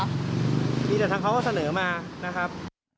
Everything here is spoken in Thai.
มีแต่ทางเขาก็เสนอมานะครับ